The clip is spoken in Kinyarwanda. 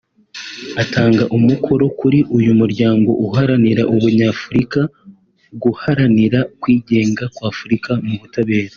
atanga umukoro kuri uyu muryango uharanira Ubunyafurika guharanira kwigenga kw’Afurika mu butabera